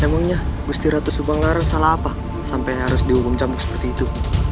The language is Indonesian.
emangnya busti ratu subanglaro salah apa sampai harus dihubung camuk seperti itu